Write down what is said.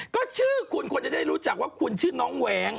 ก็ชื่อคุณควรจะได้รู้จักว่าคุณชื่อน้องแหวง